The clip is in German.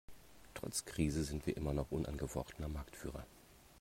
Trotz Krise sind wir immer noch unangefochtener Marktführer.